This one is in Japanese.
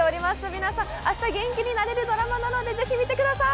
皆さん、明日元気になれるドラマなので、ぜひ見てください。